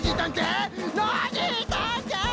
ノージーたんてい！